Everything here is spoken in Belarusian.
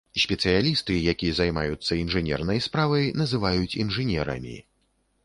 Спецыялісты, які займаюцца інжынернай справай называюць інжынерамі.